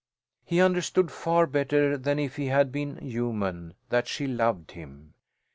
He understood far better than if he had been human, that she loved him.